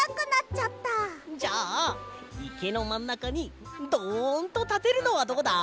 じゃあいけのまんなかにどんとたてるのはどうだ？